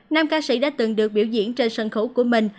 nam ca sĩ đã từng được biểu diễn trên sân khấu của mình